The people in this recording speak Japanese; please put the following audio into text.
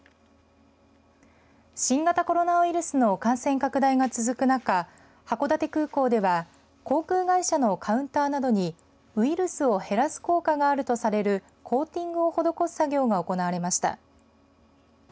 新型コロナウイルスの感染拡大が続く中函館空港では、航空会社のカウンターなどにウイルスを減らす効果があるとされるコーティングを施す作業が行われました。